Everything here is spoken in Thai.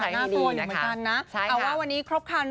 แต่ว่าไม่ได้มีจักรทางาที่จะมีชีวิต